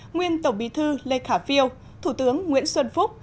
nguyên tổng bí thư lê khả phiêu thủ tướng nguyễn xuân phúc